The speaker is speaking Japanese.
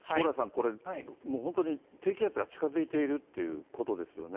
これ、もう本当に低気圧が近づいているということですよね。